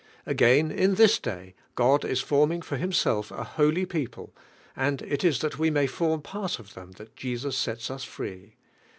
Again in this day, God is forming for Himself a holy people, and it is that we may form pant of lliem that Jesus sets ns free.